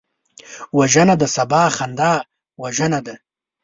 وژنه د سبا خندا وژنه ده